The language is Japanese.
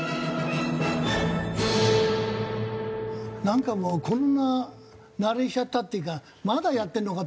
なんかもうコロナ慣れしちゃったっていうかまだやってんのか？